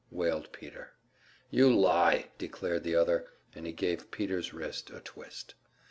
wailed Peter. "You lie!" declared the other, and he gave Peter's wrist a twist.